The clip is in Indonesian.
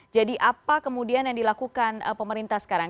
jadi apa kemudian yang dilakukan pemerintah sekarang